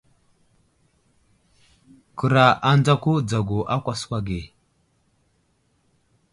Kəra anzako dzagu a kwaskwa ge.